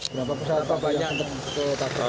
berapa pesawat berapa banyak